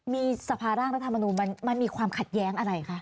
มีสภาร่างรัฐมนูลมันมีความขัดแย้งอะไรคะ